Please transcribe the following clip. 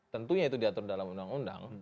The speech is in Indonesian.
tentunya itu diatur dalam undang undang